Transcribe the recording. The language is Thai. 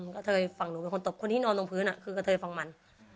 กระเทยฝั่งหนูเป็นคนตบคนที่นอนลงพื้นคือกระเทยฝั่งมัน